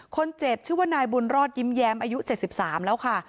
คนเจ็บชื่อว่านายบุญรอดยิ้มแย้มอายุ๗๓แล้วค่ะ